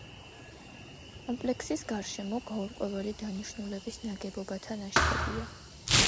კომპლექსის გარშემო გაურკვეველი დანიშნულების ნაგებობათა ნაშთებია.